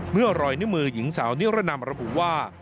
เมื่อรอยนิมือหญิงสาวนิรนำรับบุว่า